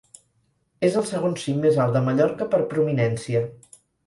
És el segon cim més alt de Mallorca per prominència.